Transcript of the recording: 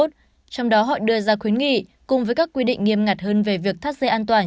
trong đó họ đưa ra khuyến nghị cùng với các quy định nghiêm ngặt hơn về việc thắt dây an toàn